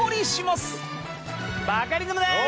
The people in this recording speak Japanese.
バカリズムです！